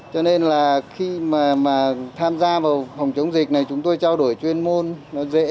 cho nên là khi mà tham gia vào phòng chống dịch này chúng tôi trao đổi chuyên môn nó dễ